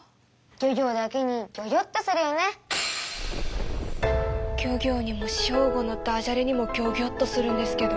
漁業にもショーゴのダジャレにもギョギョッとするんですけど。